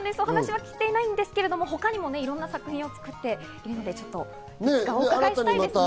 聞けてないんですけど、他にもいろいろな作品を作っていらっしゃるので、いつかお伺いしたいですね。